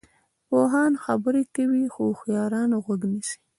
پوهان خبرې کوي خو هوښیاران غوږ نیسي.